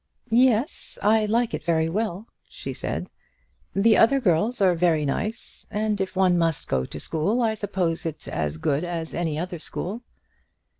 "Yes, I like it very well," she said. "The other girls are very nice; and if one must go to school, I suppose it's as good as any other school."